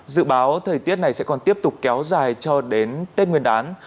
dự báo thời tiết này sẽ còn tiếp tục kéo dài cho đến tết nguyên đán